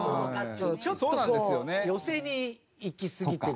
ちょっとこう寄せにいきすぎてる。